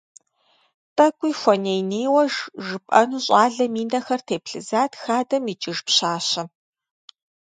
ТӀэкӀуи хуэней-нейуэ жыпӀэну щӏалэм и нэхэр теплъызат хадэм икӀыж пщащэм.